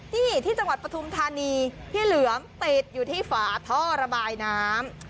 นี่ที่จังหวัดปฐุมธานีพี่เหลือมติดอยู่ที่ฝาท่อระบายน้ำ